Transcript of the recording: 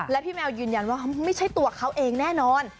และพี่แมวยืนยันว่าไม่ใช่ตัวเขาเองแน่นอน